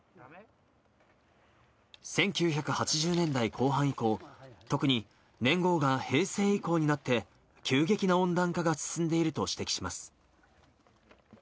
１９８０年代後半以降、特に、年号が平成以降になって急激な温暖化が進んでいると指摘します。